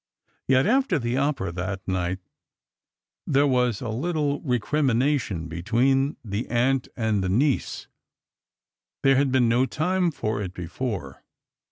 Yet after the opera that night there was a little recrimination between the aunt and the niece ; there had been no time for it before.